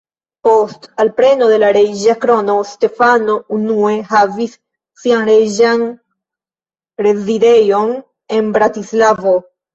Post alpreno de la reĝa krono, Stefano unue havis sian reĝan rezidejon en Bratislavo.